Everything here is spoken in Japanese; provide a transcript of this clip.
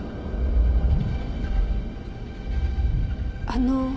あの。